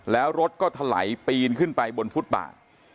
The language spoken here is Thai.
แล้วรถก็ถลายปีนขึ้นไปบนฟุตบาท